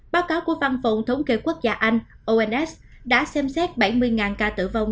báo cáo của văn phòng thống kê quốc gia anh ons đã xem xét bảy mươi ca tử vong